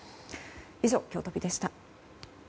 以上、きょうトピでした。